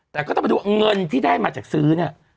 แต่ก็ต้องไปดูว่าเงินที่ได้มาจากซื้อเนี่ย